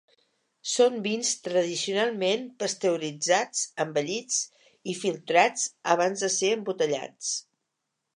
Són vins tradicionalment pasteuritzats, envellits i filtrats abans de ser embotellats.